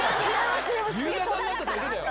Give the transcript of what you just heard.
夕方になっただけだよ。